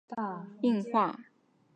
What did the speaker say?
潮湿的气候可能防止糖硬化。